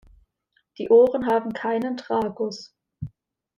Die Ohren haben keinen Tragus.